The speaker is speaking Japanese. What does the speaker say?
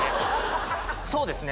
そうですね